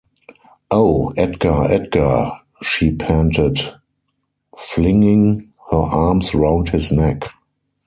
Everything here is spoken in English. ‘Oh, Edgar, Edgar!’ she panted, flinging her arms round his neck.